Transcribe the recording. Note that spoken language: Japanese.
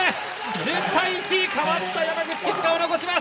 １０対１、代わった山口結果を残します。